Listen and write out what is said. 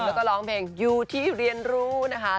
แล้วก็ร้องเพลงอยู่ที่เรียนรู้นะคะ